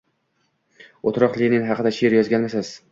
— O’rtoq Lenin haqida she’r yozganmisiz?